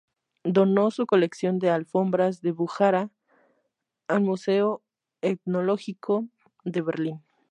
Donó su colección de alfombras de Bujará al Museo etnológico de Berlín.